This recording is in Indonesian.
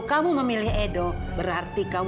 kau masih dokter fid